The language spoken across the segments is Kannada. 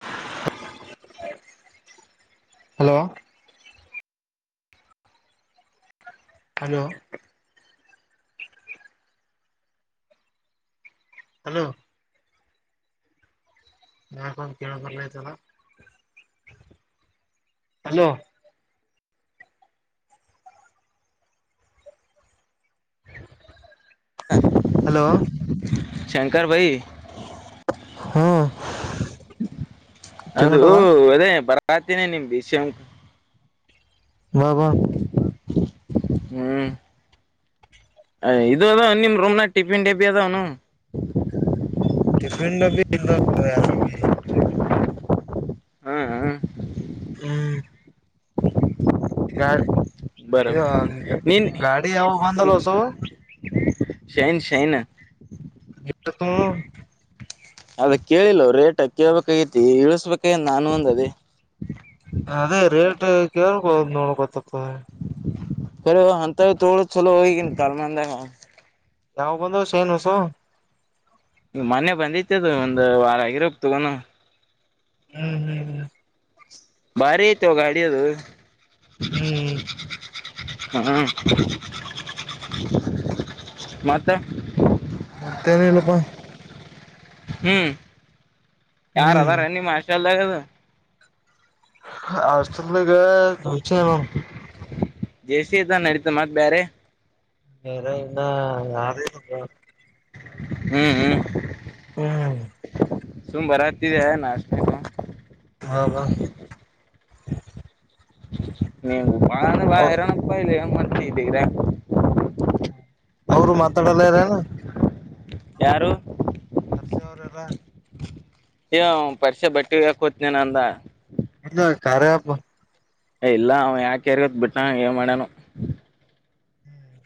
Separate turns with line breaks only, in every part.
[unintelligible] Hello hello hello [unintelligible] hello hello
Shankar ಭೈ
ಹ್ಮ
ಅದು ಅದೇ [unintelligible]
ಬಾ ಬಾ
ಹ್ಮ್ ಇದು ಅದ ನಿಮ್ ರೂಮ್ಗಗ ಟಿಫಿನ್ ಡೆಬ್ಬಿ ಅದಾವನು
ಟಿಫನ್ ಡಬ್ಬಿ [unintelligible]
ಹ್ಮ್
ಹ್ಮ್ [unintelligible]
ಬರ ನೀನ್
ಗಾಡಿ ಯಾವುದು ಹೊಸ
ಹ್ಮ್.
ಬಂದದು
ಶೈನ್ ಶೈನ್
[unintelligible]
ಅದ ಕೇಳಿಲ್ಲ ರೇಟ್ ಕೇಳಬೇಕಾಗಿತ್ತು ಇಳಸ್ಬೇಕ ನಾನು ಒಂದ ಅದೇ
ಹ್ಮ್ಮ್ ಕೇಳ್ಕೋದು ನೋಡ್ ಗೊತ್ತಾಗ್ತದೆ
ಕರೆನೋ ಅಂತದೇ ತಗೊಳಕ್ ಚಲೋ ಈಗಿನ್ [unintelligible]
ಯಾವಾಗ ಬಂದಾವ ಶೈನ್ ಹೊಸವು
ಈ ಮೊನ್ನೆ ಬಂದಿತ್ತ ಅದು ಒಂದ್ ವಾರ ಆಗಿರಬೇಕು ತಗೋನು
[unintelligible]
ಭಾರಿ ಆಯ್ತು ಗಾಡಿಯದು
ಹ್ಮ್
ಹ್ಮ್ ಮತ್ತೆ
ಮತ್ತೇನ ಇಲ್ಲಪ್ಪಾ
ಹ್ಮ್ ಯಾರ
ಹ್ಮ್
ಅದ ರನ್ನಿ ಮಷ ಅಲ್ಲ ಅದು
ಆಷ್ಟತ ಗ ಹ
ಜೇಸ ಅದ ನಡೀತ ಮತ್ ಬೇರೆ
ಹೇರ ಇನ್ನ ಯಾರ
ಹ್ಮ್ ಹ್ಮ್
ಹ್ಮ್
ಸುಮ್ ಬರ ಹತ್ತಿದೆ ನಾಷ್ಟ
ಹಾ ಹಾ
ನೀವು ಬಾಳ ಬ ಇರನ ರಪಾಯ ಇಲ್ಲ ಹೆಂಗ ಮಾಡತ ಇದ್ದಗರಾ
ಅವರು ಮಾತಾಡಲ್ಲಾರನ
ಯಾರು
ಸರ್ಸೆ ಅವರೆಲ್ಲಾ
ಯ ಪರಿಷೆ ಬಟ್ಟಿ ಹತನ ನ ಅಂದ
ಇಲ್ಲ ಕಾರರೆಪ್ಪ
ಏ ಇಲ್ಲ ಅವ ಯಾಕ್ಯರಿಗತ್ ಬಿಟ್ಟ ಏನ್ ಮಾಡ್ಯನು
ಹ್ಮ್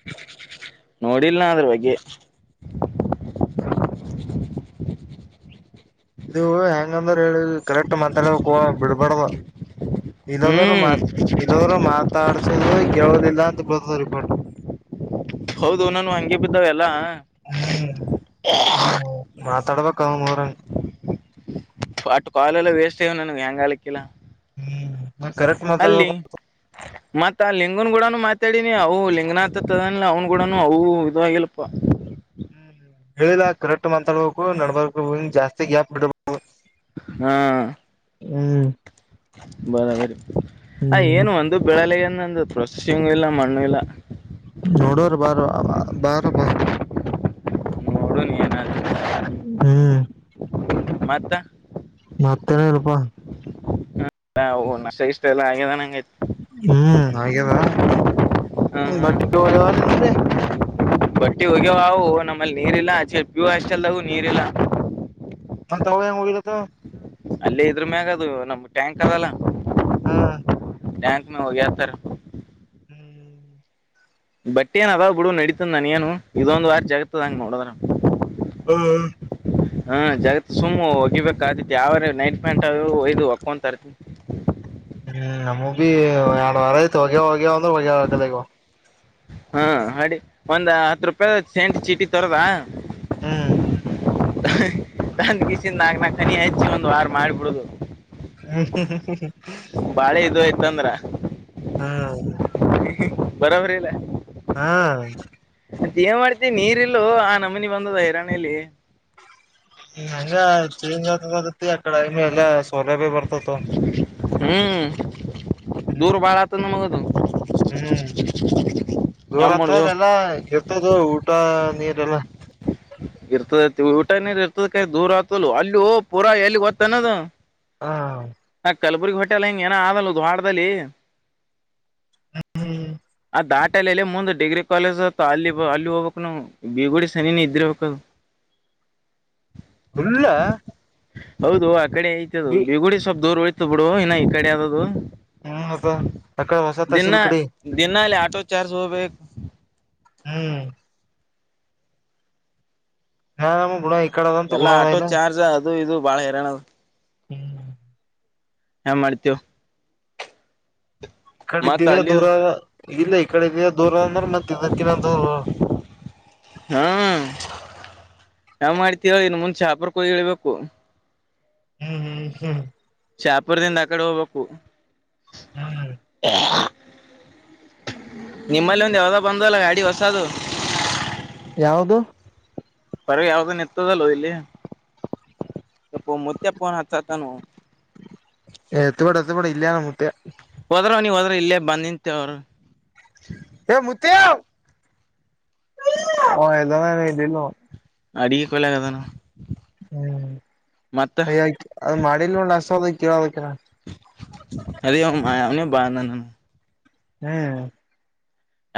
ನೋಡಿಲ್ ನ ಅದ್ರ ಬಗ್ಗೆ
ಇದು ಹೆಂಗ ಅಂದ್ರ ಹೇಳ ಕರೆಕ್ಟ್ ಮತ್ ಬಿಡ್ಬಡ್ದ ಇಲ್ಲೋಗರು
ಹ್ಮ್
ಮಾ ಇಲ್ಲರು ಮಾತಾಡ್ಸಿದ ಕೇಳದಿಲ್ಲ ಅಂತ ಬತ ರಿಪೋಟ್
ಹೌದು ನಾನ ಹಂಗಗೆ ಬಿದ್ದಾವ ಎಲ್ಲಾ
ಹ್ಮ್ ಮಾತಾಡಬೇಕಕ್ಕ ನರ
ಅಟ್ಟು ಕಾಯಲುಲ್ಲ ವೇಸ್ಟ್ೇಿ ನಾನು ವ್ಯಂಗಾಲಕ್ಕೆ ಕೆಲ
ಹ್ಮ್ ಕರೆಕ್ಟ್
ಅಲ್ಲಿ
ಮಾತಾಡ್ಬೇಕು
ಮತ್ತ ಆ ಲಿಂಗನ್ ಗೂಡನು ಮಾತಾಡಿನಿ ಅವು ಲಿಂಗನ ಆತದ ಅವ್ನ ಗೂಡನು ಅವು ಇದವಾಗಿಲ್ಪ
[unintelligible] ಹೇಳಿಲ್ಲ ಕರೆಕ್ಟ್ ಮಾತಾಡ್ಬೇಕು ನಡಬಬೇಕು ಜಾಸ್ತಿ ಗ್ಯಾಪ್ ಬಿಡ್ಬೇಕು
ಹಾ
ಹ್ಮ್
ಬರಬರಿ ಆ
ಹ್ಮ್
ಏನು ಒಂದು ಬೆಳಲೆಗೆ ಪ್ರಸಂಗೂ ಇಲ್ಲ ಮಣ್ಣು ಇಲ್ಲ
ನೋಡೋ್ರ ಬಾರ ಬಾರ ಬ
ಮೋಡನ್ ಏನ
ಹ್ಮ್
ಮತ್ತ
ಮತ್ತೇನಲ್ಪಾ
ಹ ನಸ ಇಷ್ಟ ಎಲ್ಲ ಆಗಿದೆಂಗಗೆ
ಹ್ಮ್ ಹಾಗ್ಯವ ಬಟ್ಟ ಹೋಗವ ನರಿ
ಬಟ್ಟಿ ಹೋಗ್ಯವವು ನಮ್ಮಲ್ಲಿ ನೀರ್ಲ್ಲ ಚೆ ಪ್ಯೂ ಅಷ್ಟೆಲ್ದಾಗೂ ನೀರ್ಲ್ಲ
ಅಂತ ಹೆಂಗೋಗಲತ್ತು
ಅಲ್ಲೇ ಇದ್ರ ಮ್ಯಾಗ ಅದು ನಮ್ ಟ್ಯಾಂಕ್ ಅದಲ್ಲ
ಹಾ
ಬಟ್ಯಾಂಕ್ ಮ ಹೋಗ ಸರ್
ಹ್ಮ್ ಹ್ಮ್ಮ
ಬಟ್ಟೆ ಏನ್ ಅದಾವ್ ಬಿಡು ನಡೀಿತ ನನ್ ನು ಇದೊಂದ್ ವಾರ ಜಗತ್ತದಂಗ ನೋಡದ್ರ
ಹ್ಮ್
ಹಾ ಜಾಗ ಸಮ ಇವ ಆದಿತಿ ಯಾವಾರ ನೈಟ್ ಪ್ಯಾಂಟ್ ಅ ಒಯದು ಹಕ್ಕೊಂತರ್ತನಿ
ಹ್ಮ್ ನಮ ಬಿೀ ಎರಡ್ ವಾರ ಯತ್ ಹೋಗ್ಯ ಹೋಗ್ಯವ ಅಂದ್ರ ಹೊಗೆ್ಯ ಆಗದಗವ
ಹಾ ಅಡಿ ಒಂದ್ ಹತ್ ರೂಪಾಯ ಸೆಂಟ್ ಚೀಟಿ ತರದ
ಹ್ಮ್
ತಂದ ಬೀಸ ನಾಗ ನ ಕನಿ ಆಯಚ್ಚಿ ಒಂದ್ ವಾರ ಮಾಡ್ಬಿಡುದು
ಹ ಹ ಹ ಹ
ಬಾಳೆ ಇದು ಆಯ್ತಂದ್ರ
ಹಾ ಹೌದು
ಬರಬರಿ ಇಲ್ಲ
ಹ್ಮ
ಏನ್ ಮಾಡ್ತ ನೀರ್ ಇಲ್ಲೂ ಆ ನಮ್ಮನಿ ಬಂದದ ಹೈರಾಣ್ಯಲಿ
ಹಂಗ ಚೇಂಜ್ ಆದ ಬರುತ್ತತಿ ಆ ಕಡೆಮ ಎಲ್ಲ ಸೌಲಭ್ಯ ಬರ್ತ್ತ
ಹ್ಮ್
ಹ್ಮ್
ದೂರ ಬಾಳಾತು ಮಾಡ್ಲು
ಹ್ಮ್ ದೂರ
ಏನ್ ಮಾಡುದು
ಹತ್ದೆಲ್ಲ ಮತದು ಊಟ ನೀರೆ ಎಲ್ಲ
ಇರ್ತದತಿ ಊಟ ನೀರ್ ಇರ್ತದ ಕಾಯ ದೂರ ಆಗ್ತಲ್ಲ ಅಲ್ಲಿ ಓ ಪೂರಾ ಎಲ್ಲಿ ಗೊತ್ತ ಅನೋದು
ಹಾ
ಕಲಬುರ್ಗಿ ಹೊೋಟೆಲ್ಲ ಹಿಂಗ ಏನ ಆದಲ್ಲ ದ್ವಾಾಡದಲ್ಲಿ
ಹ್ಮ ಹ್ಮ
ದಾಟಲ್ಲಿ ಎಲ್ಲೇ ಮುಂದ್ ಡಿಗ್ರಿ ಕಾಲೇಜ್ ಅ ಅಲ್ಲಿ ಅಲ್ಲಿ ಹೋಗ್ಬೇಕಕ್ ನವು ಬಿಗುಡಿ ಸನಿನ ಇದ್ರ ಹಬೇಕದು
ಇಲ್ಲ
ಹೌದು ಆ ಕಡೆ ಐತದು
ಬಿ
ಬಿೀಗುಡಿ ಸ್ವಲ್ಪ್ ದೂರ್ ಒಳಿತ ಬಿಡು ಇನ್ನ ಈ ಕಡೆ ಯದ್ದದು
ಹ್ಮ್ ಮತ್ತ ಅಕಡೆ ಹೊಸ
ದಿನ
ತಹಸೀಲ್ ಕಡೆ
ದಿನಲ್ಲಿ ಆಟೋ ಚಾರ್ಜ್ ಹೋಗ್ಬೇಕು
ಹ್ಮ್ ನಾ ನಮ್ಮ ಗುಣ ಆತ
ಎಲ್ಲ ಆಟೋ ಚಾರ್ಜ್ ಅದು ಇದು ಬಾಳ ಹೇರಾಣ ಅದು
ಹ್ಮ್
ಮಾಡ್ತೇವ
ಕಡಿದ್ದಿದೆ ದೂರ
ಅಲ್ಲಿದ್
ಇಲ್ಲ ಈ ಕಡೆದಿನ ದೂರ ಅಂದ್ರ ಮತ್ತಿದ್ದಿನ ದೂರ
ಹ್ಮ ನಾವ್ ಮಾಡ್ತಿೀವಿ ಇನ್ನು ಮುಂಚೆ ಹಾಪರ್ ಕೋಗಿ ಹೇಳೇಳ್ಬೇಕು
ಹ್ಮ್ ಹ್ಮ್ ಹ್ಮ್
ಚಾ ಕುಡ್ದ ಆ ಕಡೆ ಹೋಗ್ಬೇಕು
ಹ್ಮ್
ನಿಮ್ಮಲ್ಲಿ ಒಂದ ಯಾವ್ದ ಬಂದಲ್ಲ ಗಾಡಿ ಹೊಸದು
ಯಾವದು
ಪರವಾಗಿ ಯಾವ್ದ ನಿತ್ತದಲ್ಲೋ ಇಲ್ಲಿ ಇಪ್ಪ ಮೊತ್ತೆ ಫೋನು ಹಚ್ಚಾ ತಾನ
ಎತ್ತ ಬಿಡ ಎತ್ತ ಬಿೇಡ ಇಲ್ಲಯ ನಮ್ಮತ್ತ
ಹೋದ್ರ ನೀವು ಹೋದ್ರ ಇಲ್ಲೇ ಬಂದ ನಿಂತವರು
ಹ ಮುತಿ ಹ ಎಜ ನೀ ದು
ಅಡಿಗೆ ಕೊಳಾಗದಾನ
ಹ್ಮ್ಯ್ಯ ಅದ್ ಮಾಡಿಲ್ ಒಸೋದ ಕೇಳೋದ
ಅರಿ ಆಯ ಅವನ ಬ ನ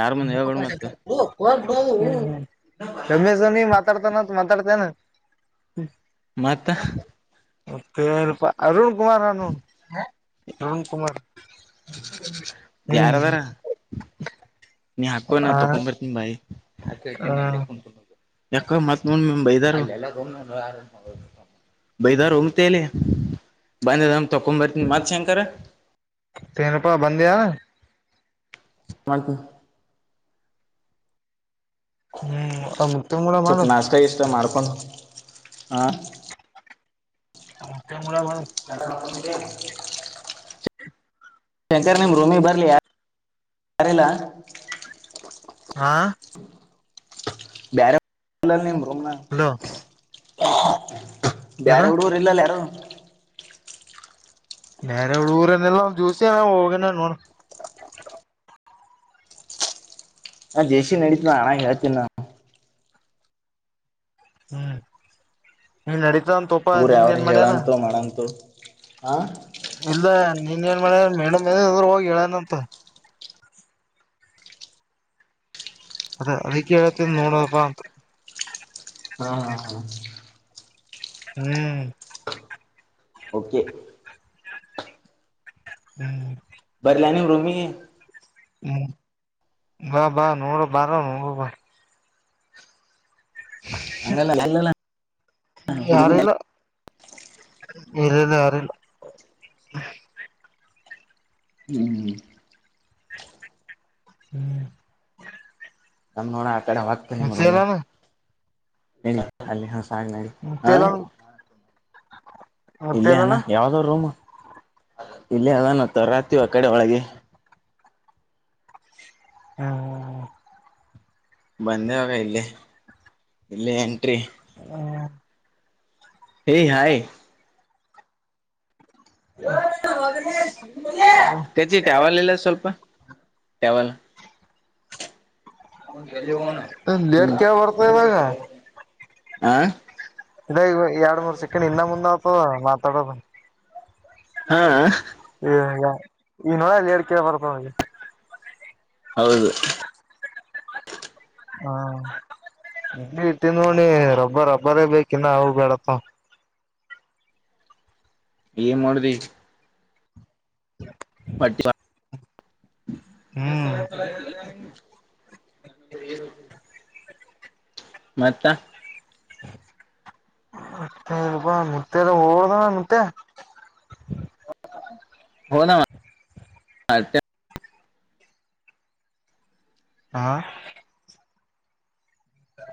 ಯಾರ್ ಮುಂದ್
ಹ್ಮ್
ಹೇಳ್ಬೇಡ್ ಮತ್ತ
ಗಮ ಸವನ ಮಾತಾಡ್ತಾನ ಮಾತಾಡ್ತೇನೆ.
ಮತ್ತ
ಮತ್ತೆ ಪ ಅರುಣ್ ಕುಮಾರ್ ನಾನ ಅರುಣ ಕುಮಾರ್
ಯಾರದಾರ
ಹ್ಮ್
ನೀ ಹಾಕೋ ನ
ಆ
ತಕೊಂಬ ಬರ್ತೀಿ ಬಾಯಿ
ಆ
ಹಾಕ ಯಾಕ ಮತ್ ನೋ ಬೈದ ಬೈದಾರ ಉಮ್ತಲಿ ಬಂದಮ್ ತಕೊಂಡ್ ಬರ್ತನಿ ಮತ್ ಶಂಕರ
ತನ್ ರೂಪಾಯಿ ಬಂದಿಯ
ಪಲ್ಕು
ಹ್ಮ ಅ
ಸ್ವಲ್ಪ ನಾಷ್ಟತ ಇಷ್ಟ ಮಾಡ್ಕೊಂಡು ಹಾ
ಹೌ
ಎಡರ್ ಶಂಕರ್ ನಿಮ್ ರೂಮಿ ಬರ್ಲಿ ಯ ಯಾರಿಲ್ಲ
ಹಾ
ಬಾರ ಬೋ
ಹಲೋ ಏನ
ಬೇರೆ ಎಡುರು ಇಲ್ಲಲ್ಲ ಯಾರೋ
ನೇರೆಡು ಊರನ್ನೆಲ್ಲ ಜೂಸ ಹೋಗನ ನೋಡ
ನಾ ಜೇಶೀ ನಡೀತ ನ ಹಣಂಗ ಹೇಳ್ತೀನಿ ನು
ಹ್ಮ್ ನೀನ್ ನಡತ ಅಂತ ತೋಪ
ಹುಡುಗರು
ನಿನ್
ಯಾವ್ರ
ಏನ್ ಮಾಡ್ಯನ
ಹೇಳಂತೋ ಮಾಡಂತೋ ಹಾ
ಇಲ್ಲ ನೀನ್ ಏನ್ ಮ ಮೇಡ ಅ್ರರು ಹೋಗಿ ಹೇಳನಂತ ಅದ ಅದಕ್ಕೆ ಳ್ತ್ತ ನೂ ರೂಪ ಅಂತ
ಹಾ ಹಾ ಹಾ
ಹ್ಮ್
ಓಕೆ
ಹ್ಮ್
ಬರಿ ಲನ ರೂಮಿ
ಹ್ಮ್ ಬಾ ಬಾ ನೋರ ಬಾರ ನ ಬ
ಅಂಗಲ್ಲ ಅಲ್ಲಲ್ಲಡು
ಎಲ್ಲಿಲ್ಲ ಯಾರಲ್ಲ
ಹ್ಮ್
ಹ್ಮ್
ನಮ ನೋಡ ಆ ಕಡೆ ಹ್ತ ಮರ
ಮುತ್ತೇಲಾನ
ನಡಿ ಹ
ಮುತ್ತೇಲ
ಇಲ್ಲೇ
ಮುತ್ತೇಲನ
ಅನಾ ಯಾವ್ದೋ ರೂಮ ಇಲ್ಲೇ ಅಲ್ಲಾನತ್ತ ರಾತ್ವಾ ಕಡೆ ಒಳಗೆ
ಹ್ಮ್ ಹ್ಮ್ ಹ್ಮ್
ಬಂದೆವಾಗ ಇಲ್ಲಿ ಇಲ್ಲಿ ಎಂಟ್ರಿ
ಹ್ಮ
ಹೇ
ಹ
ಹಾಯ್ ಕಚ್ಚಿ ಟ್ಯಾವಲ್ ಇಲ್ಲ ಸ್ವಲ್ಪ ಟಾವಲ್
ಲೇಟ್
ಹ್ಮ್
ಕ ಬರ್ತ ಇವಾಗ
ಆ
ಇ ಈ ಎರಡ್ ಮೂರ್ ಸೆಕೆಂಡ್ ಇನ್ನ ಮುಂದ್ ಆತದ ಮಾತಾಡೋದು
ಹಾ
ಏ ಈ ನಳಲ್ಲಿ ಎಡ್ ಕ ಬರ್ತ ಹಗೆ
ಹೌದು
ಹಾ ಇ ಇಟ್ಟ ನೋಡಿ ರಬ್ಬರ್ ರಬ್ಬರೇ ಬೇಕಿನ್ನ ಅವ ಬೇಡಪ್ಪ
ಏ ಮಾಡದ ಬಟ್ಟ
ಹ್ಮ್
ಈ ಸ ಚಲ್ಲ ಮತ್ತ
ಮತ್ತ ರೂಪಾಯ ಮುತ್ಯೆ ಹದಣ ಮತ್ಯ ಹೌ
ಹದ ಹಾ
ಹಾ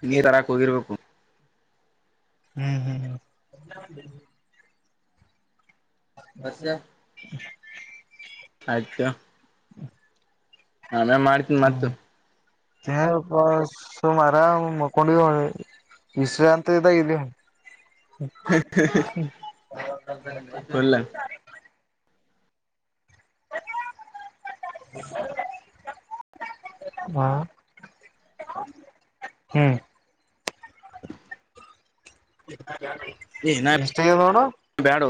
ಹಿಂಗೆ ತರಾಕ್ ಹೋಗಿರ್ಬೇಕು
ಹ್ಮ್ ಹ್ಮ್ ಹ್ಮ್ [unintelligible]
ಆಮೇ ಮಾಡ್ತೀನ್ ಮತ್ತ
[inaudible] ವಿಶ್ರಾಂತ ಇದ ಇಲಿ
[inaudible]
[unintelligible] ಹಾ ಹ್ಮ್
[unintelligible] ಏನ
ಇಷ್ಟ ನೋಡ
ಬ್ಯಾಡು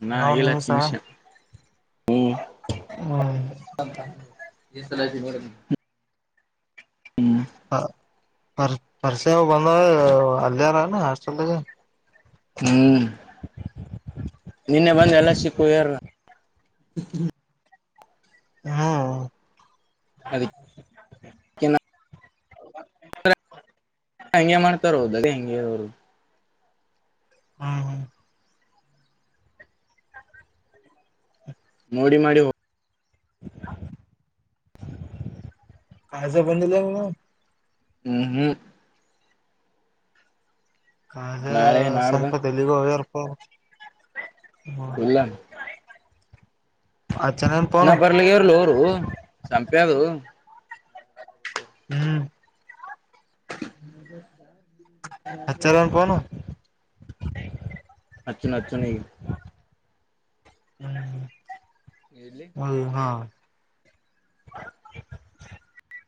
ಇನ್ನೂ ಹಾಗಿಲ್ಲ ಹತ್ತು ನಿಮಿಷ ಹ್ಮ್ಲ
ಹ್ಮ್ [unintelligible] ಬಂದ ಅಲ್ಲ ರ ಹಾಸ್ಟಲ್
ಹ್ಮ್ ನಿನ್ನೆ ಬಂದ ಎಲ್ಲ ಸಿಕ್ಕು ಯಾರ. ಹ [inaudible]
ಹ್ಮ್
ಅದ [unintelligible]
[inaudible]
ಹಂಗೆ ಮಾಡ್ತಾರ ಹೋದದ ಹೆಂಗೆ ಅವರು
ಹ್ಮ್ ಹ್ಮ್
ಮೋಡಿ ಮಾಡಿ ಹೋಗ
[inaudible] ಕಸ ಬಂದಿಲ್ಲ
ಹ್ಮ್ ಹ್ಮ್
ಕಾಲ
ನಾಳೆ ನಾಡ್ದ
ಸಂಪತ್ ಎಲ್ಲಿಗೆ ಹೋಗ್ಯರಪ್ಪ ಅವರು ಹ್ಮ
ಇಲ್ಲ
[unintelligible]
ಇ ಬರ್ಲಿಗ ಅವರ್ಲು ಅವರು ಸಂಪೆದು
ಹ್ಮ್ ಹಚ್ಚರೇನ್ ಫೋನ್
[unintelligible]
[unintelligible]
ಹಚ್ಚುನ್ ಹಚ್ಚುನ್ ಈಗ ಎಲ್ಲಿ
[inaudible] [unintelligible]